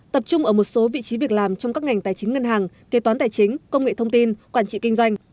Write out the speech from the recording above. tập trung ở một số vị trí việc làm trong các ngành tài chính ngân hàng kế toán tài chính công nghệ thông tin quản trị kinh doanh